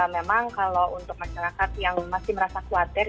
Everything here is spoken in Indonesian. memang kalau untuk masyarakat yang masih merasa khawatir